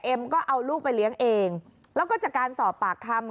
ก็เอาลูกไปเลี้ยงเองแล้วก็จากการสอบปากคำ